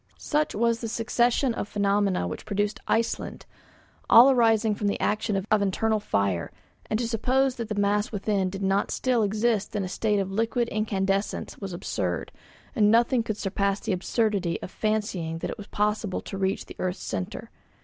Such was the succession of phenomena which produced Iceland, all arising from the action of internal fire; and to suppose that the mass within did not still exist in a state of liquid incandescence was absurd; and nothing could surpass the absurdity of fancying that it was possible to reach the earth's centre.